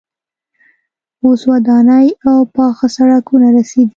اوس ودانۍ او پاخه سړکونه رسیدلي.